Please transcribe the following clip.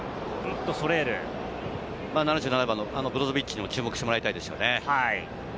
７７番のブロゾビッチにも注目してもらいたいですね。